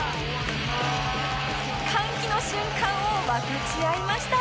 歓喜の瞬間を分かち合いました